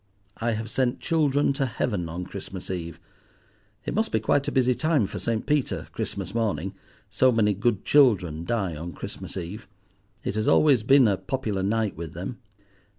I have sent children to Heaven on Christmas Eve—it must be quite a busy time for St. Peter, Christmas morning, so many good children die on Christmas Eve. It has always been a popular night with them.